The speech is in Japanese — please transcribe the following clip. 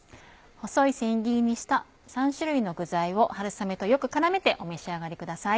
細い千切りにした３種類の具材を春雨とよく絡めてお召し上がりください。